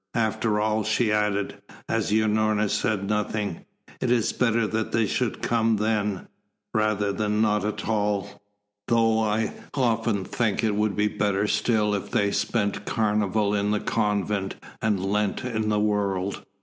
"After all," she added, as Unorna said nothing, "it is better that they should come then, rather than not at all, though I often think it would be better still if they spent carnival in the convent and Lent in the world."